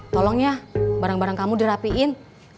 tolong ya barang barang kamu udah rapiin